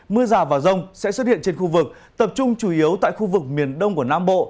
mưa rào và rông sẽ xuất hiện trên khu vực tập trung chủ yếu tại khu vực miền đông của nam bộ